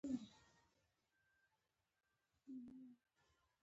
تڼۍ يې کېکاږله.